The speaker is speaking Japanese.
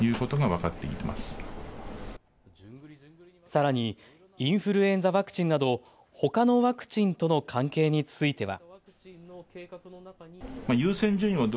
さらにインフルエンザワクチンなどほかのワクチンとの関係については。